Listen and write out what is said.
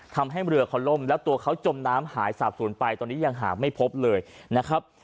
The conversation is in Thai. ทำให้เรือเขาล่มแล้วตัวเขาจมน้ำหายสาบศูนย์ไปตอนนี้ยังหาไม่พบเลยนะครับ